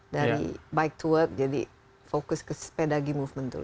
dari bike to work jadi fokus ke sepedagi movement dulu